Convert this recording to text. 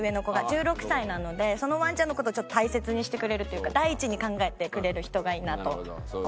１６歳なのでそのワンちゃんの事を大切にしてくれるというか第一に考えてくれる人がいいなと思いまして。